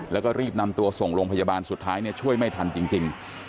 แล้วก็รีบนำตัวส่งโรงพยาบาลสุดท้ายช่วยไม่ทันจริง